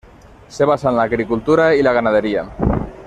Se basa en la agricultura y la ganadería.